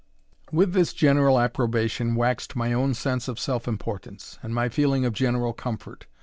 With this general approbation waxed my own sense of self importance, and my feeling of general comfort.